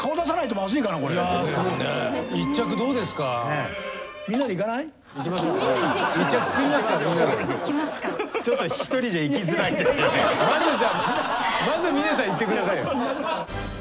まずじゃあまず峰さん行ってくださいよ。